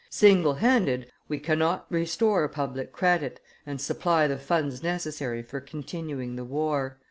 "single handed we cannot restore public credit and supply the funds necessary for continuing the war.